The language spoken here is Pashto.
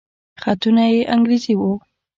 خطونه يې انګريزي وو.